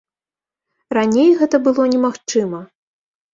Раней гэта было немагчыма.